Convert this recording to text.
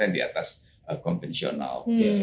empat puluh di atas konvensional